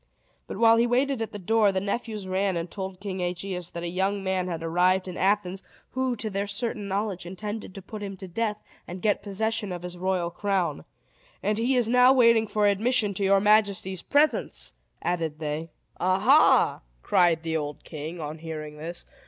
But, while he waited at the door, the nephews ran and told King Aegeus that a young man had arrived in Athens, who, to their certain knowledge, intended to put him to death, and get possession of his royal crown. "And he is now waiting for admission to your majesty's presence," added they. "Aha!" cried the old king, on hearing this.